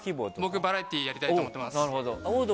僕バラエティーやりたいと思っています。